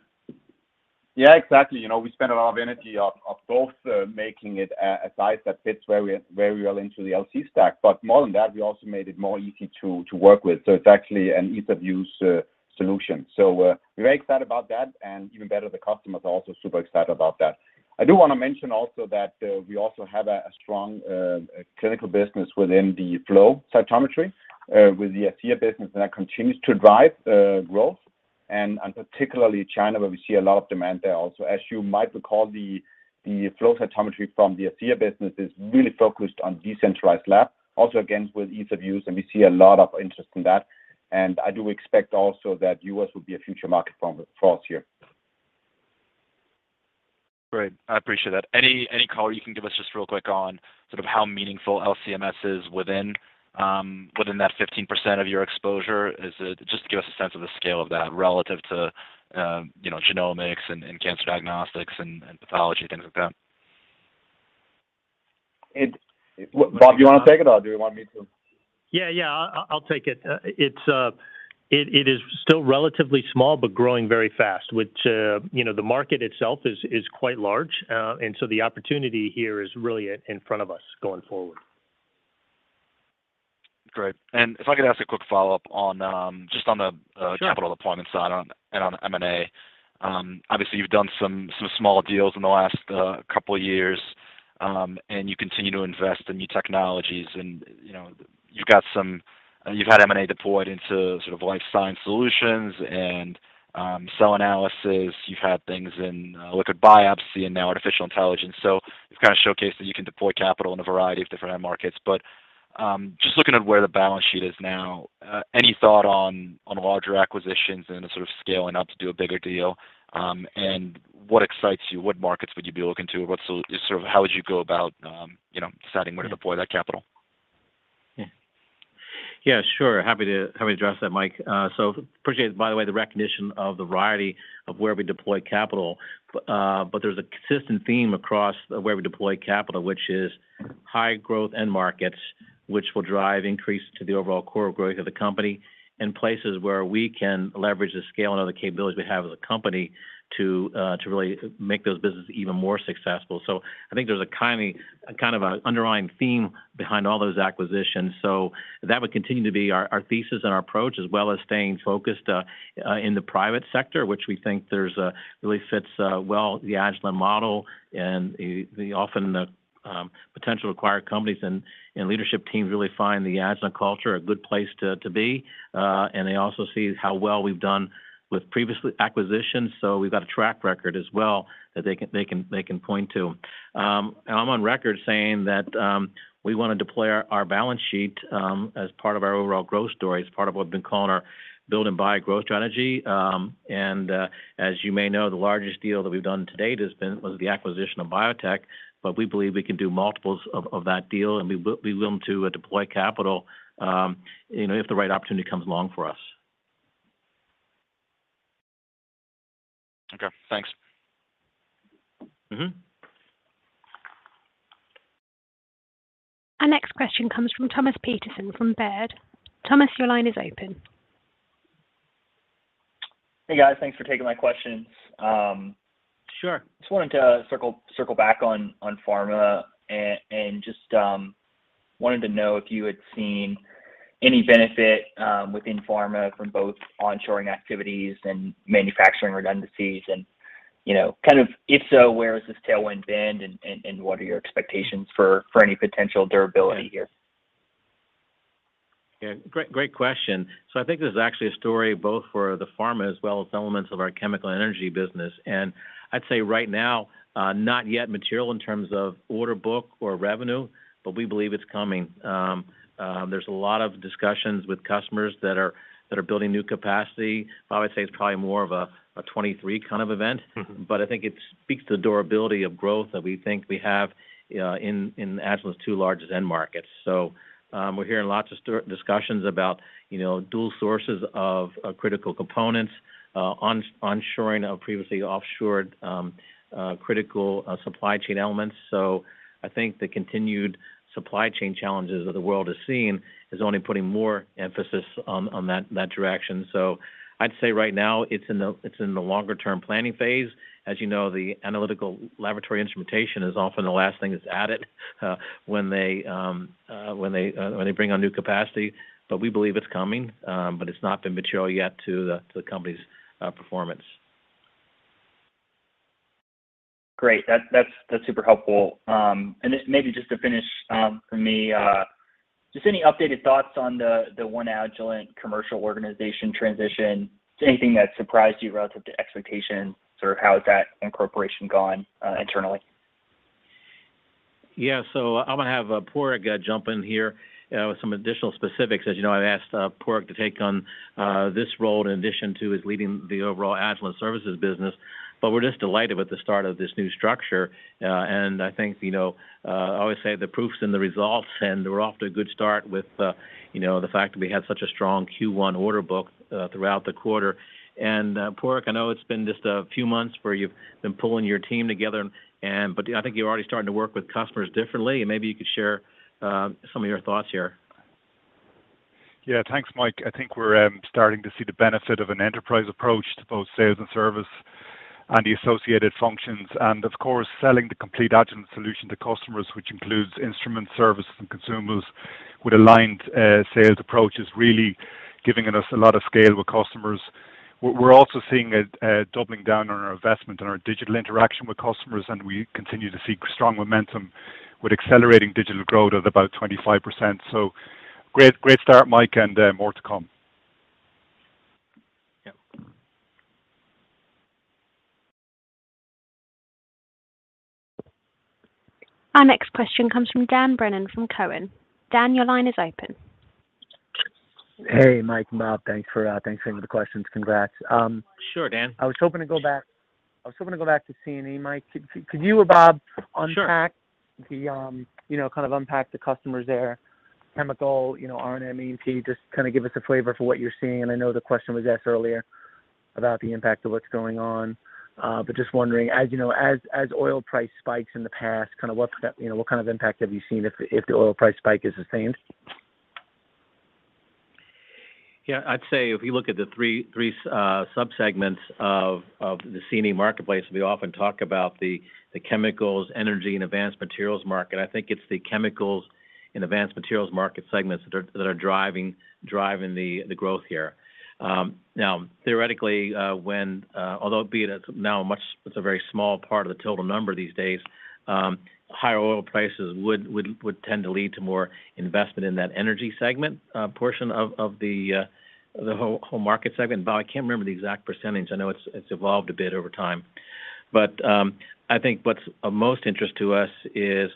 Yeah, exactly. You know, we spent a lot of energy on both making it a size that fits very, very well into the LC stack. But more than that, we also made it more easy to work with. It's actually an ease-of-use solution. We're very excited about that, and even better, the customers are also super excited about that. I do wanna mention also that we also have a strong clinical business within the flow cytometry with the ACEA business, and that continues to drive growth and particularly China, where we see a lot of demand there also. As you might recall, the flow cytometry from the ACEA business is really focused on decentralized lab, also again, with ease of use, and we see a lot of interest in that. I do expect also that U.S. will be a future market for us here. Great. I appreciate that. Any color you can give us just real quick on sort of how meaningful LC-MS is within that 15% of your exposure? Just to give us a sense of the scale of that relative to, you know, genomics and cancer diagnostics and pathology, things like that. Bob, do you wanna take it, or do you want me to? Yeah, yeah. I'll take it. It is still relatively small, but growing very fast, which, you know, the market itself is quite large. The opportunity here is really in front of us going forward. Great. If I could ask a quick follow-up on, just on the, Sure ...capital deployment side on, and on M&A. Obviously you've done some small deals in the last couple years, and you continue to invest in new technologies and, you know, you've got some. You've had M&A deployed into sort of life science solutions and, cell analysis. You've had things in, liquid biopsy and now artificial intelligence. You've kind of showcased that you can deploy capital in a variety of different end markets. Just looking at where the balance sheet is now, any thought on larger acquisitions and a sort of scaling up to do a bigger deal? What excites you? What markets would you be looking to? Sort of how would you go about, you know, deciding where to deploy that capital? Yeah. Yeah, sure. Happy to address that, Mike. I appreciate, by the way, the recognition of the variety of where we deploy capital. There's a consistent theme across where we deploy capital, which is high growth end markets, which will drive increase to the overall core growth of the company in places where we can leverage the scale and other capabilities we have as a company to really make those businesses even more successful. I think there's a kind of an underlying theme behind all those acquisitions. That would continue to be our thesis and our approach, as well as staying focused in the private sector, which we think really fits well the Agilent model. The often potential acquired companies and leadership teams really find the Agilent culture a good place to be. They also see how well we've done with previous acquisitions, so we've got a track record as well that they can point to. I'm on record saying that we wanna deploy our balance sheet as part of our overall growth story, as part of what we've been calling our build and buy growth strategy. As you may know, the largest deal that we've done to date was the acquisition of BioTek, but we believe we can do multiples of that deal, and we're willing to deploy capital, you know, if the right opportunity comes along for us. Okay, thanks. Mm-hmm. Our next question comes from Thomas Peterson from Baird. Thomas, your line is open. Hey, guys. Thanks for taking my questions. Sure. Just wanted to circle back on pharma and just wanted to know if you had seen any benefit within pharma from both onshoring activities and manufacturing redundancies and, you know, kind of if so, where has this tailwind been and what are your expectations for any potential durability here? Yeah, great question. I think this is actually a story both for the pharma as well as elements of our chemical and energy business. I'd say right now, not yet material in terms of order book or revenue, but we believe it's coming. There's a lot of discussions with customers that are building new capacity. I would say it's probably more of a 2023 kind of event. Mm-hmm. I think it speaks to the durability of growth that we think we have in Agilent's two largest end markets. We're hearing lots of discussions about, you know, dual sources of critical components. Onshoring of previously offshored critical supply chain elements. I think the continued supply chain challenges that the world is seeing is only putting more emphasis on that direction. I'd say right now it's in the longer term planning phase. As you know, the analytical laboratory instrumentation is often the last thing that's added when they bring on new capacity. We believe it's coming, but it's not been material yet to the company's performance. Great. That's super helpful. Maybe just to finish, for me, just any updated thoughts on the One Agilent commercial organization transition? Anything that surprised you relative to expectations, sort of how has that incorporation gone internally? Yeah. I'm gonna have Padraig jump in here with some additional specifics. As you know, I've asked Padraig to take on this role in addition to his leading the overall Agilent services business. We're just delighted with the start of this new structure, and I think, you know, I always say the proof's in the results, and we're off to a good start with, you know, the fact that we had such a strong Q1 order book throughout the quarter. Padraig, I know it's been just a few months where you've been pulling your team together, but I think you're already starting to work with customers differently, and maybe you could share some of your thoughts here. Yeah. Thanks, Mike. I think we're starting to see the benefit of an enterprise approach to both sales and service and the associated functions, and of course, selling the complete Agilent solution to customers, which includes instruments, services, and consumables with aligned sales approach is really giving us a lot of scale with customers. We're also seeing a doubling down on our investment in our digital interaction with customers, and we continue to see strong momentum with accelerating digital growth at about 25%. Great start, Mike, and more to come. Yeah. Our next question comes from Dan Brennan from Cowen. Dan, your line is open. Hey, Mike, Bob. Thanks for taking the questions. Congrats. Sure, Dan. I was hoping to go back to C&E, Mike. Could you or Bob unpack the, you know, unpack the customers there, chemical, you know, R&M, ET, just kinda give us a flavor for what you're seeing. I know the question was asked earlier about the impact of what's going on, but just wondering, as you know, as oil price spikes in the past, kinda what's that, you know, what kind of impact have you seen if the oil price spike is the same? Yeah. I'd say if you look at the three subsegments of the C&E marketplace, we often talk about the chemicals, energy, and advanced materials market. I think it's the chemicals and advanced materials market segments that are driving the growth here. Now theoretically, it's a very small part of the total number these days, higher oil prices would tend to lead to more investment in that energy segment, portion of the whole market segment. Bob, I can't remember the exact percentage. I know it's evolved a bit over time. I think what's of most interest to us is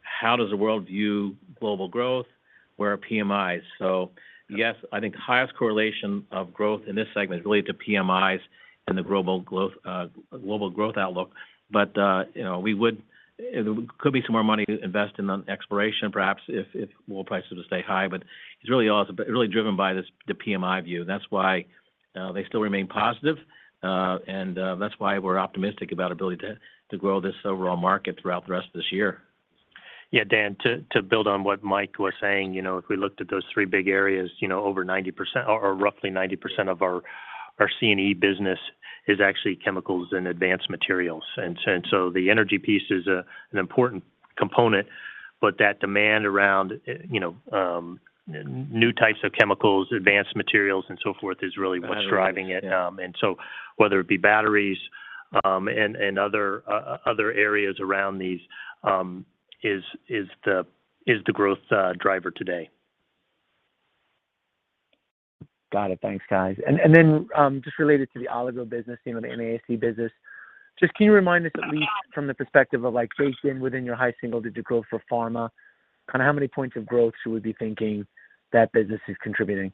how does the world view global growth? Where are PMIs? Yes, I think highest correlation of growth in this segment is related to PMIs and the global growth outlook. You know, there could be some more money to invest in exploration perhaps if oil prices will stay high. It's really driven by this, the PMI view. That's why they still remain positive, and that's why we're optimistic about our ability to grow this overall market throughout the rest of this year. Yeah, Dan, to build on what Mike was saying, you know, if we looked at those three big areas, you know, over 90% or roughly 90% of our C&E business is actually chemicals and advanced materials. The energy piece is an important component, but that demand around, you know, new types of chemicals, advanced materials, and so forth is really what's driving it. Whether it be batteries, and other areas around these is the growth driver today. Got it. Thanks, guys. Then, just related to the Oligo business, you know, the NASD business, just can you remind us at least from the perspective of, like, baked in within your high single-digit growth for pharma, kinda how many points of growth should we be thinking that business is contributing?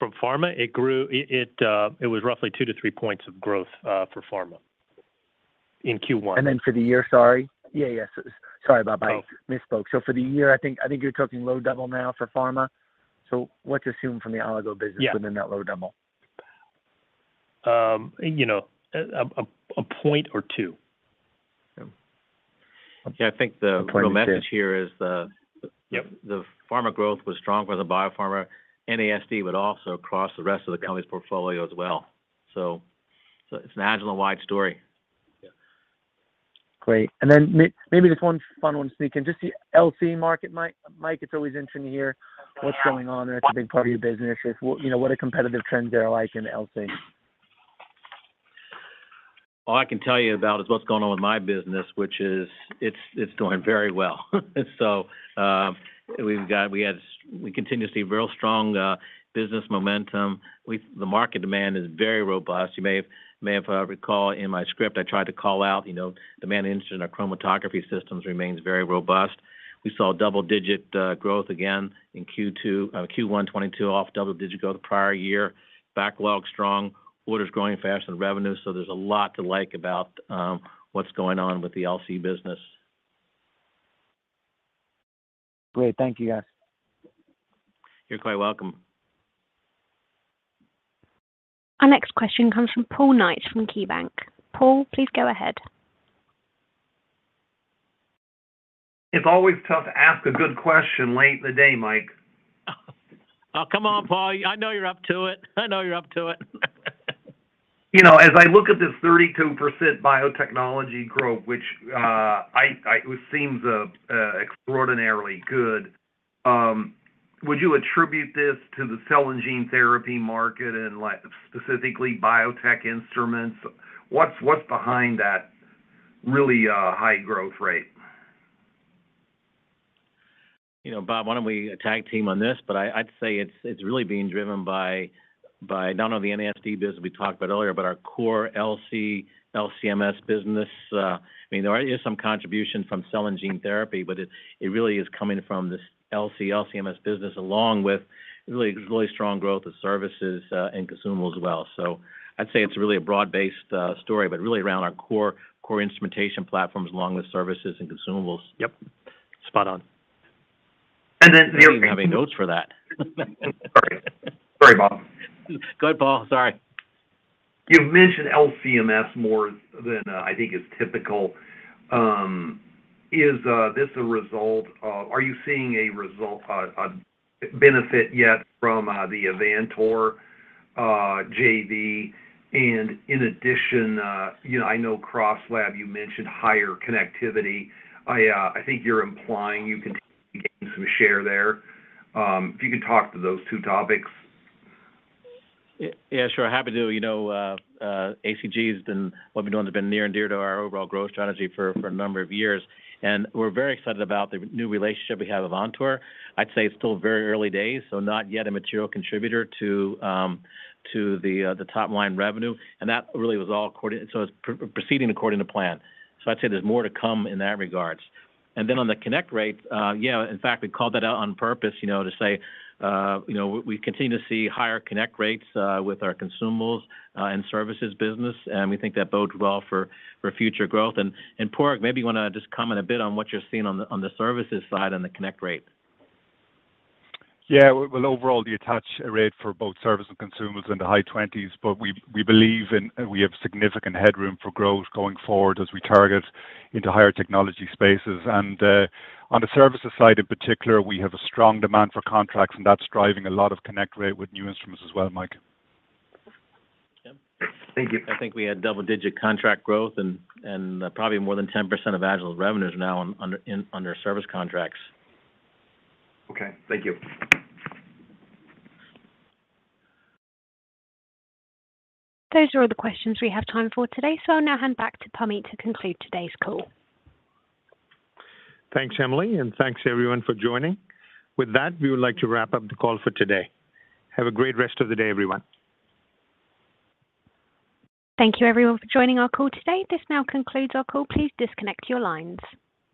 From pharma, it grew. It was roughly 2-3 points of growth for pharma in Q1. For the year, sorry. Yeah, yeah. Sorry about my- Oh. I misspoke. For the year, I think you're talking low double now for pharma. What's assumed from the Oligo business- Yeah. Within that low double? You know, a point or two. Yeah. I think the real message here is the Yep. The pharma growth was strong for the biopharma, NASD, but also across the rest of the company's portfolio as well. It's an Agilent-wide story. Yeah. Great. Maybe just one final one to sneak in. Just the LC market, Mike. Mike, it's always interesting to hear what's going on there. It's a big part of your business. If, you know, what are competitive trends there like in LC? All I can tell you about is what's going on with my business, which is it's going very well. We continue to see real strong business momentum. The market demand is very robust. You may recall in my script, I tried to call out, you know, demand and interest in our chromatography systems remains very robust. We saw double-digit growth again in Q2, Q1 2022, off double-digit growth the prior year. Backlog strong. Orders growing faster than revenue, so there's a lot to like about what's going on with the LC business. Great. Thank you, guys. You're quite welcome. Our next question comes from Paul Knight from KeyBanc. Paul, please go ahead. It's always tough to ask a good question late in the day, Mike. Oh, come on, Paul. I know you're up to it. You know, as I look at this 32% biotechnology growth, which seems extraordinarily good, would you attribute this to the cell and gene therapy market and, like, specifically biotech instruments? What's behind that really high growth rate? You know, Bob, why don't we tag team on this? I'd say it's really being driven by none of the NASD business we talked about earlier, but our core LC-MS business. I mean, there is some contribution from cell and gene therapy, but it really is coming from this LC-MS business, along with really strong growth of services and consumables as well. I'd say it's really a broad-based story, but really around our core instrumentation platforms along with services and consumables. Yep. Spot on. The other thing. I didn't even have any notes for that. Sorry. Sorry, Bob. Go ahead, Paul. Sorry. You mentioned LC-MS more than I think is typical. Are you seeing a result, a benefit yet from the Avantor JV? In addition, you know, I know CrossLab, you mentioned higher connectivity. I think you're implying you can get some share there. If you can talk to those two topics. Yeah, sure. Happy to. You know, what we're doing has been near and dear to our overall growth strategy for a number of years. We're very excited about the new relationship we have with Avantor. I'd say it's still very early days, so not yet a material contributor to the top line revenue. It's proceeding according to plan. I'd say there's more to come in that regard. Then on the connect rate, yeah, in fact, we called that out on purpose, you know, to say, you know, we continue to see higher connect rates with our consumables and services business, and we think that bodes well for future growth. Padraig, maybe you wanna just comment a bit on what you're seeing on the services side and the connect rate. Yeah. Well, overall, the attach rate for both service and consumers in the high twenties, but we believe we have significant headroom for growth going forward as we target into higher technology spaces. On the services side in particular, we have a strong demand for contracts, and that's driving a lot of connect rate with new instruments as well, Mike. Yeah. Thank you. I think we had double-digit contract growth and probably more than 10% of Agilent's revenues are now under service contracts. Okay. Thank you. Those are all the questions we have time for today, so I'll now hand back to Parmeet to conclude today's call. Thanks, Emily, and thanks everyone for joining. With that, we would like to wrap up the call for today. Have a great rest of the day, everyone. Thank you everyone for joining our call today. This now concludes our call. Please disconnect your lines.